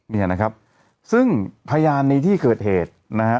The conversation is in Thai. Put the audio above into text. เนี่ยนะครับซึ่งพยานในที่เกิดเหตุนะฮะ